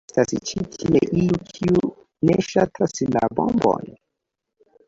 Ĉu estas ĉi tie iu, kiu ne ŝatas la Bambon?